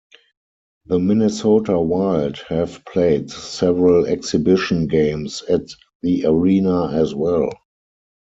The Minnesota Wild have played several exhibition games at the arena as well.